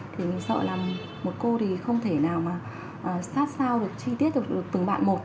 thì mình sợ là một cô thì không thể nào mà sát sao được chi tiết được từng bạn một